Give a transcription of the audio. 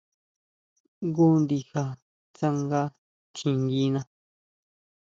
Jngu ndija tsanga tjinguina.